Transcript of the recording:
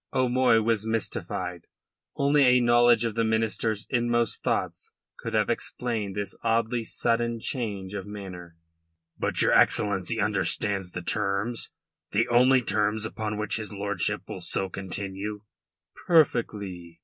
O'Moy was mystified. Only a knowledge of the minister's inmost thoughts could have explained this oddly sudden change of manner. "But your Excellency understands the terms the only terms upon which his lordship will so continue?" "Perfectly.